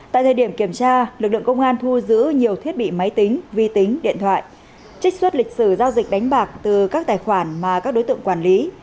tại thời điểm kiểm tra lực lượng công an thu giữ nhiều thiết bị máy tính vi tính điện thoại trích xuất lịch sử giao dịch đánh bạc từ các tài khoản mà các đối tượng quản lý